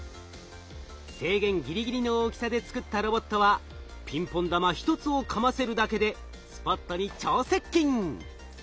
制限ぎりぎりの大きさで作ったロボットはピンポン玉１つをかませるだけでスポットに超接近。